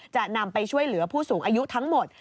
จะนำไปช่วยเหลือผู้สูงอายุทั้งหมด